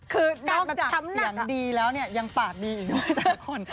คือนอกจากเสียงดีแล้วเนี่ยยังปากดีอีกด้วยแต่ละคน